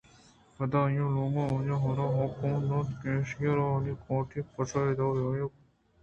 پدا آئیءَ لوگ واجہ ءَ را حکم دات کہ ایشیءَ را منی کوٹی ءَ پیش بہ دار ءُآئی ءَ گوں کاگد ءِ بابت ءَ ایوکی ءَ گپ کنگ لوٹیت